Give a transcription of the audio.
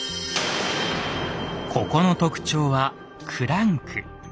ここの特徴はクランク。